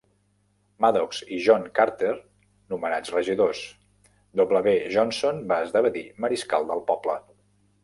Maddox i John Carter nomenats regidors; W. Johnson va esdevenir mariscal del poble.